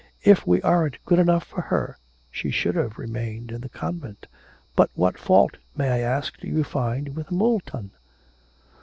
If we aren't good enough for her she should have remained in the convent. But what fault, may I ask, do you find with Moulton?'